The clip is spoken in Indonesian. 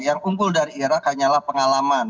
yang unggul dari irak hanyalah pengalaman